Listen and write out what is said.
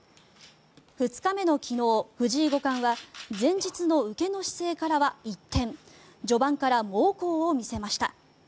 ２日目の昨日、藤井五冠は前日の受けの姿勢からは一転序盤から猛攻を見せました。